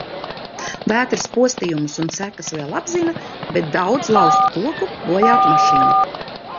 Vētras postījumus un sekas vēl apzina, bet daudz lauztu koku, bojātu mašīnu.